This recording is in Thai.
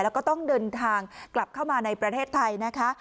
แล้วก็ต้องเดินทางกลับเข้ามาในประเทศไทยนะคะ